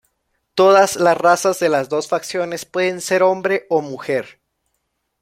Todas las razas de las dos facciones pueden ser hombre o mujer.